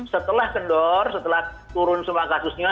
setelah kendor setelah turun semua kasusnya